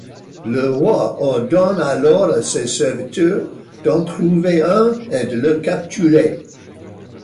Le roi ordonne alors à ses serviteurs d'en trouver un et de le capturer.